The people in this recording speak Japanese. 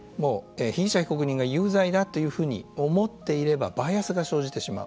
被疑者、被告人が有罪だというふうに思っていればバイアスが生じてしまう。